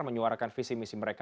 menyuarakan visi misi mereka